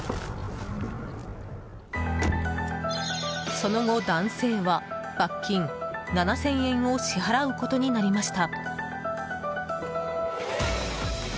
その後、男性は罰金７０００円を支払うことになりました。